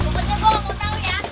pokoknya gue nggak mau tahu ya